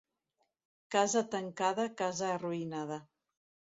Casa tancada, casa arruïnada.